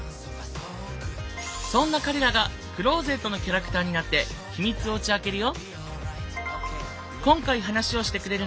そんな彼らがクローゼットのキャラクターになってヒミツを打ち明けるよ。